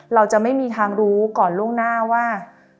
เราจะไม่มีทางรู้ก่อนล่วงหน้าว่า